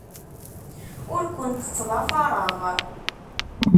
Ur kent-ttḍafareɣ.